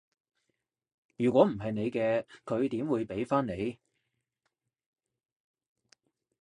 如果唔係你嘅，佢點解會畀返你？